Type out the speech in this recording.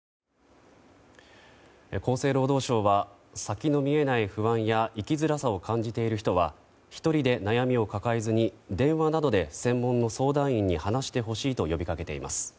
厚生労働省は先の見えない不安や生きづらさを感じている人は１人で悩みを抱えずに電話などで専門の相談員に話してほしいと呼びかけています。